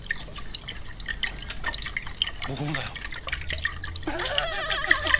僕もだよ。